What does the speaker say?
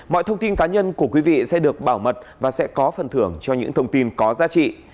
mọi thông tin cá nhân của quý vị sẽ được bảo mật và sẽ có phần thưởng cho những thông tin có giá trị